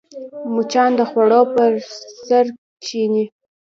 مچان د خوړو پر سر کښېني